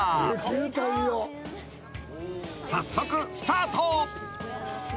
［早速スタート］